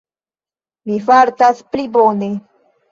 Mi fartas pli bone.